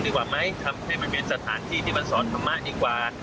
ทำให้เป็นสถานที่ที่มันสอนธรรมะดีกว่า